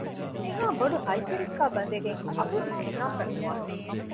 މިހާ ބޮޑު ހައްޔަރެއްގައި ބަންދެއްގައި އަބަދު ހުންނާކަށް ނުވާނެ